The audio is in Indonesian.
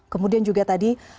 kemudian juga tadi